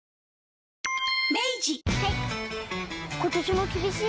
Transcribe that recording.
はい。